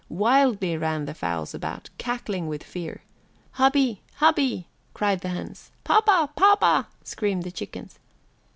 Wildly ran the fowls about, cackling with fear. "Hubby, hubby!" cried the hens. "Papa, papa!" screamed the chicks.